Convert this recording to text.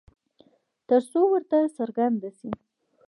ترڅو ورته څرگنده شي